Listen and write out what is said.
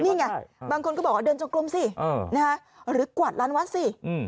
นี่ไงบางคนก็บอกว่าเดินจงกลมสิหรือกวาดร้านวัดสิ